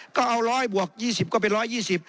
ก็เอาร้อยบวก๒๐ก็เป็นร้อยยี่สิบ